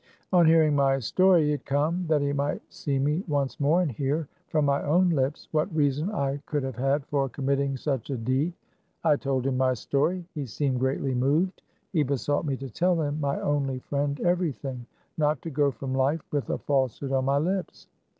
On hear ing my story he had come, that he might see me once . more, and hear, from my own lips, what reason I could have had for committing such a deed. I told him my story. He seemed greatly moved. He besought me to tell him, my only friend, everything ; not to go from life with a 149 THE CAB AVAN. falsehood on my lips.